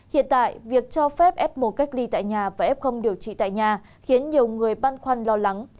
hiện tại việc cho phép f một cách ly tại nhà và f điều trị tại nhà khiến nhiều người băn khoăn lo lắng